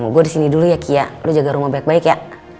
gue disini dulu ya ki ya lu jaga rumah baik baik ya